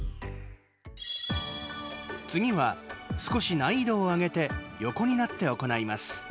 次は、少し難易度を上げて横になって行います。